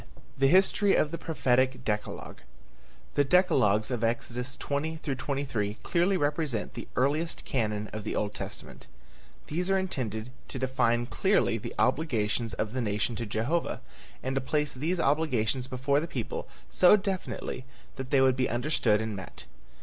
I. THE HISTORY OF THE PROPHETIC DECALOGUE. The decalogues of Exodus 20 23 clearly represent the earliest canon of the Old Testament. These are intended to define clearly the obligations of the nation to Jehovah, and to place these obligations before the people so definitely that they would be understood and met.